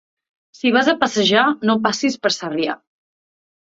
Si vas a passejar, no passis per Sarrià.